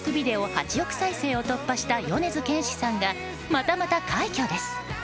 ８億再生を突破した米津玄師さんがまたまた快挙です。